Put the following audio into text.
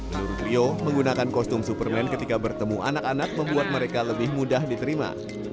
menurut rio menggunakan kostum superman ketika bertemu anak anak membuat mereka lebih mudah diterima